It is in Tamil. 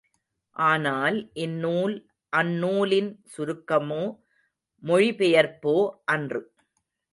ஆனால் இந்நூல் அந்நூலின் சுருக்கமோ, மொழிபெயர்ப்போ அன்று.